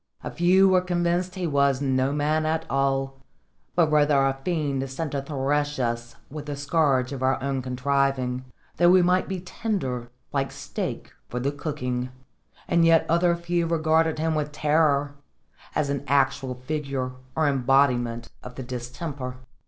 A few were convinced he was no man at all, but rather a fiend sent to thresh us with the scourge of our own contriving, that we might be tender, like steak, for the cooking; and yet other few regarded him with terror, as an actual figure or embodiment of the distemper.